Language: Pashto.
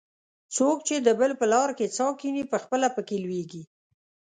څوک چې د بل په لار کې څا کیني؛ پخپله په کې لوېږي.